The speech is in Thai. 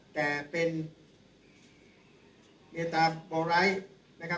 แต่เป็นเมียตาบอร์ไลท์